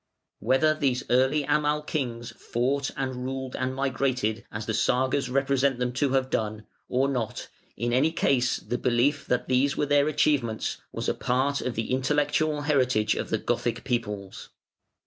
Whether these early Amal Kings fought and ruled and migrated as the Sagas represent them to have done, or not, in any case the belief that these were their achievements was a part of the intellectual heritage of the Gothic peoples.